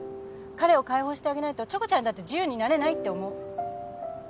彼を解放してあげないとチョコちゃんだって自由になれないって思う。